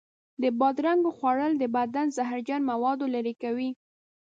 د بادرنګو خوړل د بدن زهرجن موادو لرې کوي.